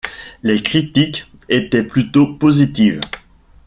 Les critiques étaient plutôt positives.